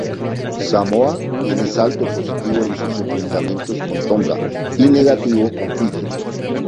Samoa tiene saldo positivo en sus enfrentamientos con Tonga y negativo con Fiyi.